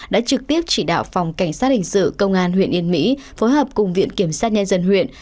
đã trực tiếp chỉ đạo phòng cảnh sát hình sự công an huyện yên mỹ phối hợp cùng viện kiểm sát nhân dân huyện